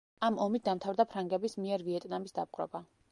ამ ომით დამთავრდა ფრანგების მიერ ვიეტნამის დაპყრობა.